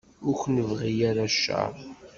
Ur k-nebɣi ara cceṛ.